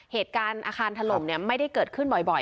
เหตุการณ์อาคารถล่มไม่ได้เกิดขึ้นบ่อย